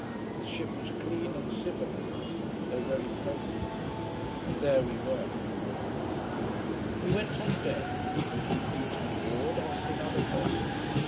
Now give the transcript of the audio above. The ship was clean and civilised, though very poky. And there we were. We went on deck. Would we eat on board, asked another person.